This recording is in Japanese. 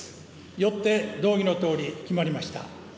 よって動議のとおり決まりました。